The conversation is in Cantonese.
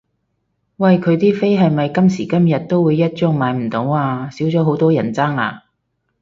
喂佢啲飛係咪今時今日都會一張買唔到啊？少咗好多人爭啦？